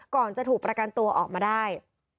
ก่อนจะถูกประกันตัวออกมาได้